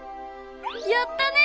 やったね！